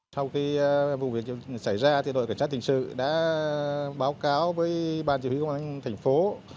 sau khi vụ việc xảy ra đội cảnh sát hình sự đã báo cáo với ban chỉ huy công an thành phố